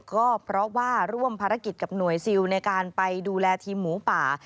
ก็เพราะว่าร่วมภารกิจกับหน่วยซิลในการไปดูแลทีมหมูป่า